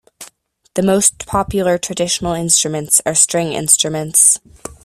The most popular traditional instruments are string instruments.